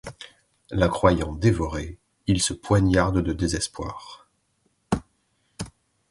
La croyant dévorée, il se poignarde de désespoir.